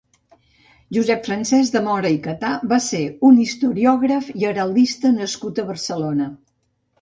Josep Francesc de Móra i Catà va ser un historiògraf i heraldista nascut a Barcelona.